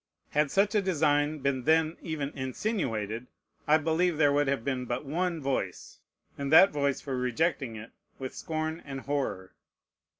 Had such a design been then even insinuated, I believe there would have been but one voice, and that voice for rejecting it with scorn and horror.